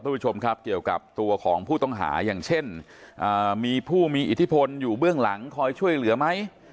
ผู้ชมครับเกี่ยวกับตัวของผู้ต้องหาอย่างเช่นมีผู้มีอิทธิพลอยู่เบื้องหลังคอยช่วยเหลือไหม